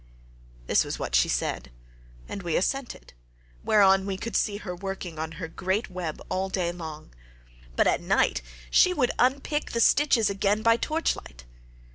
"This was what she said, and we assented; whereon we could see her working on her great web all day long, but at night she would unpick the stitches again by torchlight.